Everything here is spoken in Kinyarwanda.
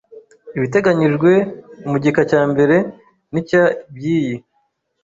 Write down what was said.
Ibiteganyijwe mu gika cya mbere n icya by iyi